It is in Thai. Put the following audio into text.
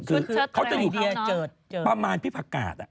คือเขาจะอยู่ประมาณพี่ผักกาศ